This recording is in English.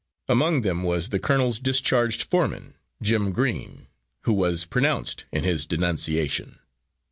Among them was the colonel's discharged foreman, Jim Green, who was pronounced in his denunciation.